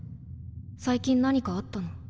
最近何かあったの？